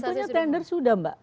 sebetulnya tender sudah mbak